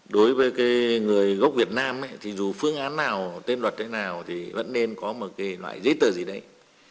đối với người gốc việt nam thì dù phương án nào tên luật nào thì vẫn nên có một loại giấy tờ gì đấy